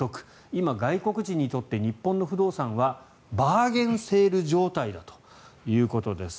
今、外国人にとって日本の不動産はバーゲンセール状態だということです。